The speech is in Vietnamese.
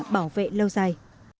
bảo vệ lâu dài